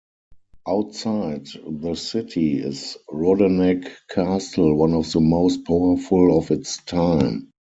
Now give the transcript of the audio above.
Outside the city is Rodeneck Castle, one of the most powerful of its time.